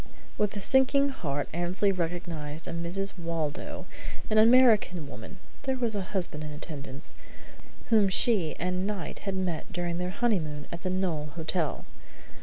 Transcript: With a sinking heart Annesley recognized a Mrs. Waldo, an American woman (there was a husband in attendance) whom she and Knight had met during their honeymoon at the Knowle Hotel.